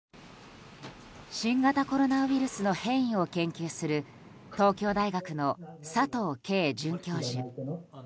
新型コロナウイルスの変異を研究する東京大学の佐藤佳准教授。